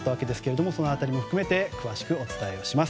その辺りも含めて詳しくお伝えします。